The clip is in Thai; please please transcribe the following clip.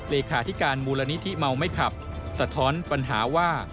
เลขาธิการมูลนิธิเมาไม่ขับสะท้อนปัญหาว่า